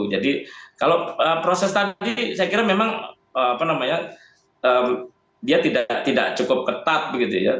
kalau proses tadi saya kira memang apa namanya dia tidak cukup ketat begitu ya